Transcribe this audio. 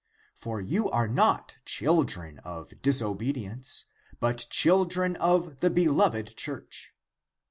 22. [For you are not children of disobedience, but children of the beloved Church.